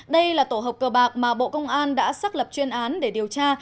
đây là tổ hợp cờ bạc mà bộ công an đã xác lập chuyên án để điều tra